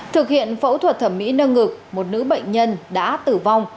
thực hiện phẫu thuật thẩm mỹ nâng ngực một nữ bệnh nhân đã tử vong